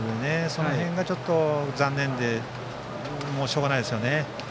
その辺がちょっと残念でしょうがないですね。